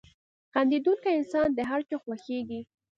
• خندېدونکی انسان د هر چا خوښېږي.